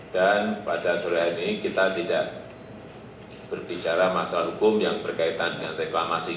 dan pada sore hari ini kita tidak berbicara masalah hukum yang berkaitan dengan reklamasi